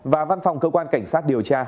và văn phòng cơ quan cảnh sát điều tra